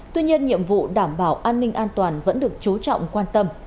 tuy nhiên nhiệm vụ đảm bảo an ninh an toàn vẫn được chú trọng quan tâm